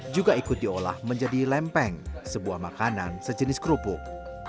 juga ikut diolah menjadi lempeng sebuah makanan sejenis kerupuk